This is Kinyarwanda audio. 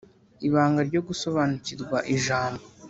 Ibanga ryo gusobanukirwa Ijambo